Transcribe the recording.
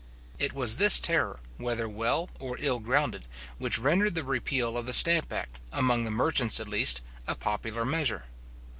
It was this terror, whether well or ill grounded, which rendered the repeal of the stamp act, among the merchants at least, a popular measure.